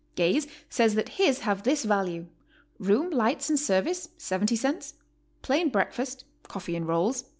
Gaze says that his have this value: Room, lights, and service, $0.70; plain breakfast (coffee and rolls), $0.